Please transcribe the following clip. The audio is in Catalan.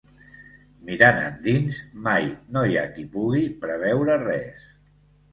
Mirant endins, mai no hi ha qui pugui preveure res.